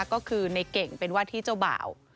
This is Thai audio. ก็คือในเก่งเป็นว่าที่เจ้าบ่าว